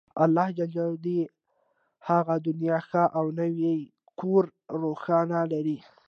الله ﷻ دې يې هغه دنيا ښه او نوی کور روښانه لري